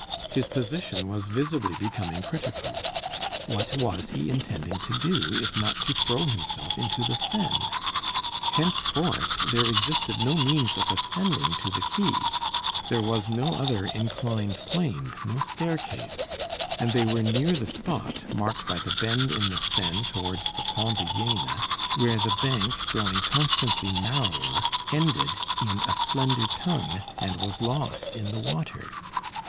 His position was visibly becoming critical. What was he intending to do, if not to throw himself into the Seine? Henceforth, there existed no means of ascending to the quay; there was no other inclined plane, no staircase; and they were near the spot, marked by the bend in the Seine towards the Pont de Jéna, where the bank, growing constantly narrower, ended in a slender tongue, and was lost in the water.